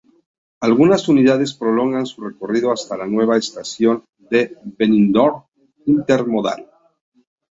Algunas unidades prolongan su recorrido hasta la nueva estación de Benidorm-Intermodal.